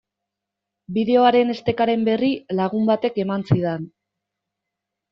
Bideoaren estekaren berri lagun batek eman zidan.